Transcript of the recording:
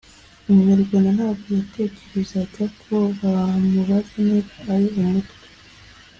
umunyarwanda ntabwo yatekerezaga ko bamubaza niba ari umutwa,